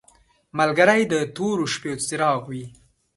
ملګری د تورو شپو څراغ وي.